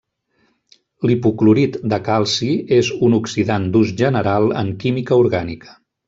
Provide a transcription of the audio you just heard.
L'hipoclorit de calci és un oxidant d'ús general en química orgànica.